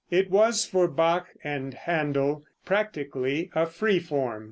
It was for Bach and Händel practically a free form.